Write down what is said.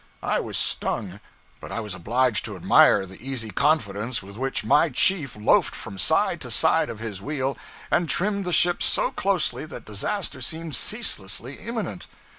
I was stung, but I was obliged to admire the easy confidence with which my chief loafed from side to side of his wheel, and trimmed the ships so closely that disaster seemed ceaselessly imminent.